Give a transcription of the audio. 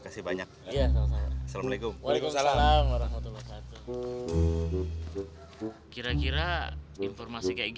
kasih banyak ya assalamualaikum waalaikumsalam warahmatullah satu kira kira informasi kayak